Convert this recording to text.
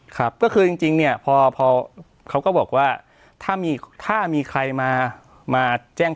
ครับก็คือจริงเนี่ยพอเขาก็บอกว่าถ้ามีถ้ามีใครมาแจ้ง